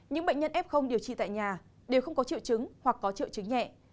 những bệnh nhân f điều trị tại nhà đều không có triệu chứng hoặc có triệu chứng nhẹ